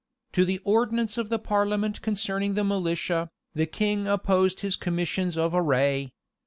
To the ordinance of the parliament concerning the militia, the king opposed his commissions of array.